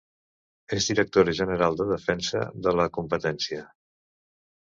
És Directora General de Defensa de la Competència.